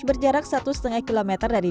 berjarak satu lima km dari